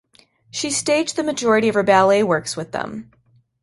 She staged the majority of her ballet works with them.